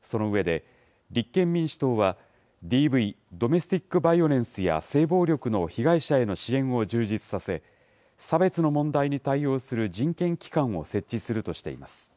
その上で、立憲民主党はＤＶ・ドメスティックバイオレンスや性暴力の被害者への支援を充実させ、差別の問題に対応する人権機関を設置するとしています。